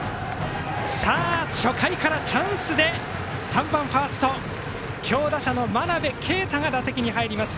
さあ、初回からチャンスで３番ファースト強打者の真鍋慧が打席に入ります。